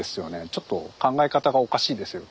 「ちょっと考え方がおかしいですよ」